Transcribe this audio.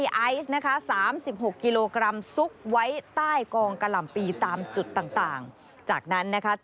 จากนั้นนะคะตำรวจก็เลยจับกุมคนขับรถและคนที่นั่งมาด้วยและแจ้งข้อหามียาเสพติดให้โทษ